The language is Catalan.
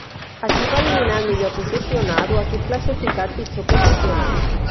Equip eliminat millor posicionat o equip classificat pitjor posicionat.